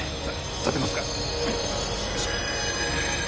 立てますか？